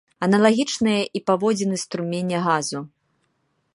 Аналагічныя і паводзіны струменя газу.